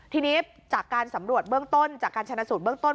ทีนี้จากการสำรวจเบื้องต้นจากการชนะสูตรเบื้องต้น